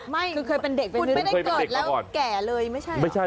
ไม่คุณเคยเป็นเด็กไม่ได้เกิดแล้วมากก่อน